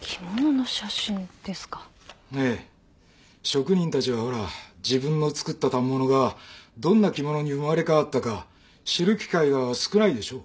職人たちはほら自分の作った反物がどんな着物に生まれ変わったか知る機会が少ないでしょ